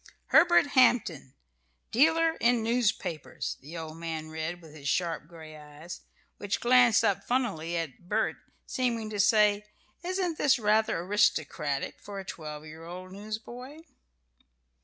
"Herbert Hampton, Dealer in Newspapers," the old man read, with his sharp gray eyes, which glanced up funnily at Bert, seeming to say, "Isn't this rather aristocratic for a twelve year old newsboy?"